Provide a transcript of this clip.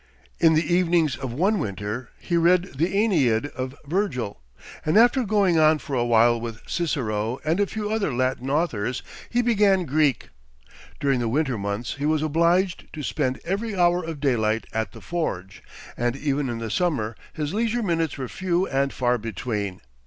In the evenings of one winter he read the Æneid of Virgil; and, after going on for a while with Cicero and a few other Latin authors, he began Greek. During the winter months he was obliged to spend every hour of daylight at the forge, and even in the summer his leisure minutes were few and far between.